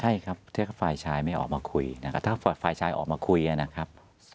ใช่ครับถ้าฝ่ายชายไม่ออกมาคุยนะครับถ้าฝ่ายชายออกมาคุยนะครับ